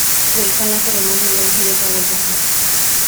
Realizan la ceremonia y luego Julieta vuelve a casa.